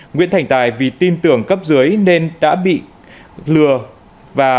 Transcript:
nguyễn thành tài vì tin tưởng cấp dưới nên đã bị lừa và